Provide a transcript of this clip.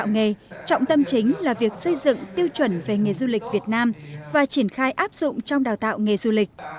nghề trọng tâm chính là việc xây dựng tiêu chuẩn về nghề du lịch việt nam và triển khai áp dụng trong đào tạo nghề du lịch